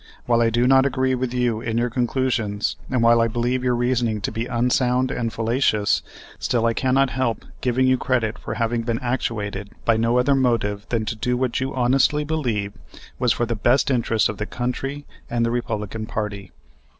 "While I do not agree with you in your conclusions, and while I believe your reasoning to be unsound and fallacious, still I cannot help giving you credit for having been actuated by no other motive than to do what you honestly believed was for the best interest of the country and the Republican party."